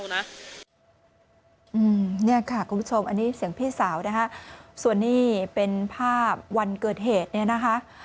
เนี่ยค่ะคุณผู้ชมอันนี้เสียงพี่สาวนะคะส่วนนี้เป็นภาพวันเกิดเหตุเนี่ยนะคะ